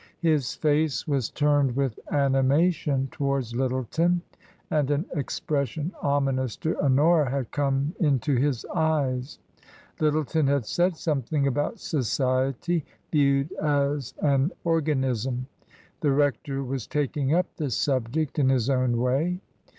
His face was turned with animation towards Lyttleton and an ex pression ominous to Honora had come into his eyes. L3^eton had said something about society viewed as an organism. The rector was taking up the subject in his own way.